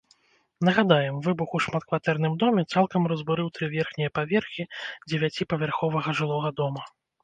Нагадаем, выбух у шматкватэрным доме цалкам разбурыў тры верхнія паверхі дзевяціпавярховага жылога дома.